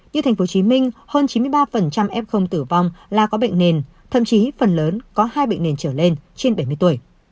như tp hcm hơn chín mươi ba f tử vong là có bệnh nền thậm chí phần lớn có hai bệnh nền trở lên trên bảy mươi tuổi